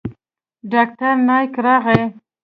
ډاکتر نايک راغى.